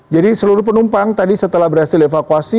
jadi seluruh penumpang tadi setelah berhasil evakuasi